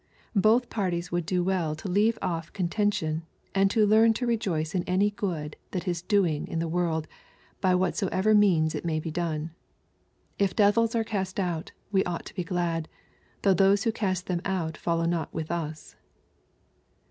Both parties would do well to leave off con tention, and to learn to rejoice in any good that is doing in the world, by whatsoever means it may be done. If devils are cast out^ we ought to be glad, though those who cast them out follow not with us.